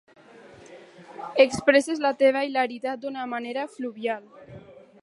Expresses la teva hilaritat d'una manera fluvial.